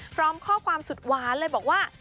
พร้อมข้อความสุดหวานเลยบอกว่า